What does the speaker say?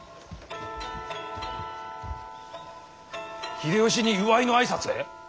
秀吉に祝いの挨拶へ！？